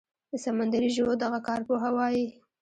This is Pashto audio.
د سمندري ژویو دغه کارپوهه وايي